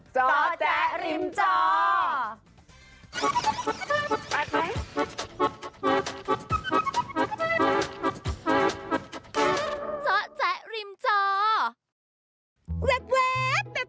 เจ้าแจ๊ะริมเจ้า